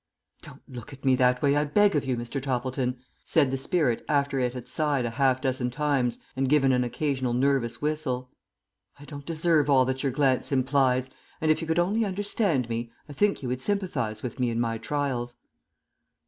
"Don't look at me that way, I beg of you, Mr. Toppleton," said the spirit after it had sighed a half dozen times and given an occasional nervous whistle. "I don't deserve all that your glance implies, and if you could only understand me, I think you would sympathize with me in my trials."